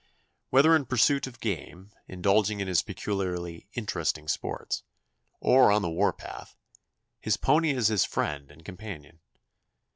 Whether in pursuit of game, indulging in his peculiarly interesting sports, or on the war path, his pony is his friend and companion.